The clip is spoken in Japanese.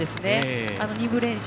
２部練習。